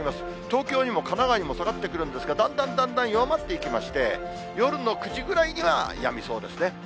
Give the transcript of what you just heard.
東京にも神奈川にも下がってくるんですが、だんだんだんだん弱まっていきまして、夜の９時ぐらいにはやみそうですね。